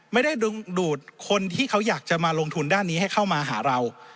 ไม่ได้ดึงดูดคนที่เขาอยากจะมาลงทุนด้านนี้ให้เข้ามาหาเรา